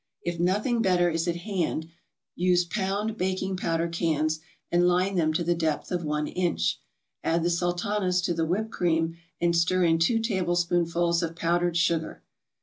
If nothing better is at hand, use pound baking powder cans, and line them to the depth of one inch. Add the Sultanas to the whipped cream and stir in two tablespoonfuls of powdered sugar.